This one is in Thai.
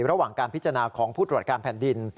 ระหว่างการพิจารณาของผู้ตรวจการแผ่นดิน